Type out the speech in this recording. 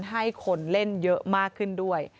ให้คนเล่นเยอะมากขึ้นด้วย